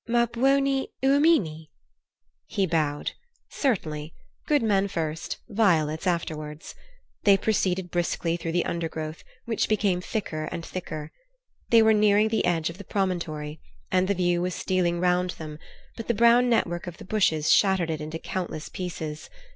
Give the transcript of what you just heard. "Ma buoni uomini." He bowed. Certainly. Good men first, violets afterwards. They proceeded briskly through the undergrowth, which became thicker and thicker. They were nearing the edge of the promontory, and the view was stealing round them, but the brown network of the bushes shattered it into countless pieces.